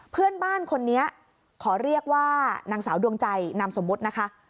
เพื่อนบ้านคนนี้ขอเรียกว่านางสาวดวงใจนามสมมุตินะคะ